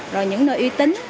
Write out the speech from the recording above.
rồi những nơi uy tín